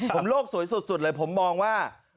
ผมโลกสวยสุดเลยผมมองว่า